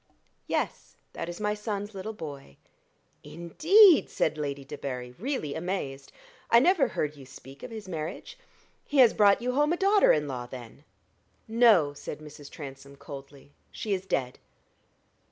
"Yes; that is my son's little boy." "Indeed!" said Lady Debarry, really amazed. "I never heard you speak of his marriage. He has brought you home a daughter in law, then?" "No," said Mrs. Transome, coldly; "she is dead."